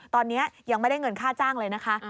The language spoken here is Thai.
ตอนนี้ยังไม่ได้เงินค่าจ้างเลยนะคะ